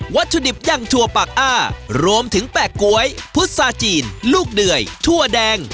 วัตถุดิบอย่างถั่วปากอ้ารวมถึงแปะก๊วยพุษาจีนลูกเดื่อยถั่วแดง